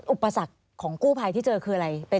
อุปสรรคของกู้ภัยที่เจอคืออะไร